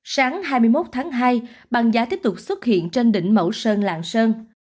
sáng hai mươi một tháng hai băng giá tiếp tục xuất hiện trên đỉnh mẫu sơn lạng sơn